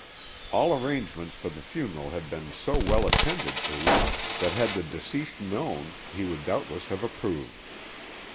All arrangements for the funeral had been so well attended to that had the deceased known he would doubtless have approved.